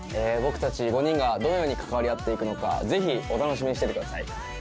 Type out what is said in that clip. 僕たち５人がどのように関わり合って行くのかぜひお楽しみにしててください。